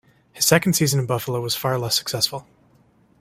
His second season in Buffalo was far less successful.